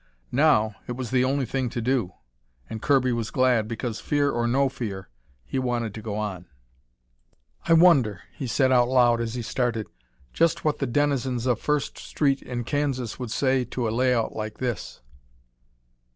Now it was the only thing to do, and Kirby was glad because, fear or no fear, he wanted to go on. "I wonder," he said out loud as he started, "just what the denizens of First Street in Kansas would say to a layout like this!"